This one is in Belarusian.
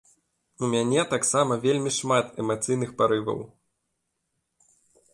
У мяне таксама вельмі шмат эмацыйных парываў.